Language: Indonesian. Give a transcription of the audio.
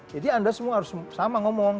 jadi anda semua harus sama ngomong